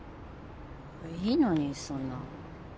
いいのにそんな。